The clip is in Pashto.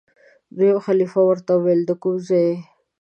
دویم خلیفه ورته وویل دکوم ځای یې؟